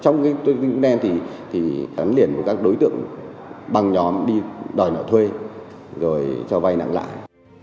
nên thì đánh liền với các đối tượng bằng nhóm đi đòi nợ thuê rồi cho vay nặng lại